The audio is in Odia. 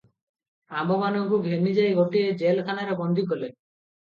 ଆମ୍ଭମାନଙ୍କୁ ଘେନିଯାଇ ଗୋଟାଏ ଜେଲଖାନାରେ ବନ୍ଦୀ କଲେ ।